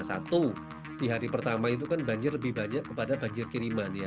satu di hari pertama itu kan banjir lebih banyak kepada banjir kiriman ya